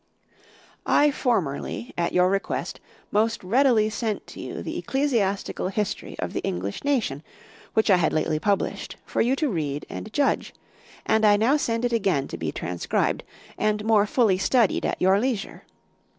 _ I formerly, at your request, most readily sent to you the Ecclesiastical History of the English Nation, which I had lately published, for you to read and judge; and I now send it again to be transcribed, and more fully studied at your leisure.